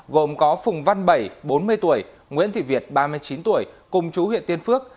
gồm có phùng văn bảy bốn mươi tuổi nguyễn thị việt ba mươi chín tuổi cùng chú huyện tiên phước